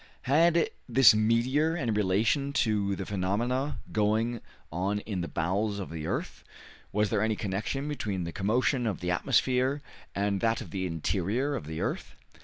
Had this meteor any relation to the phenomena going on in the bowels of the earth? Was there any connection between the commotion of the atmosphere and that of the interior of the earth?